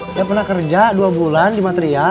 saya pernah kerja dua bulan di material